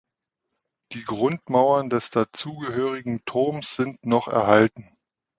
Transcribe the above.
Die Grundmauern des dazugehörigen Turms sind noch erhalten.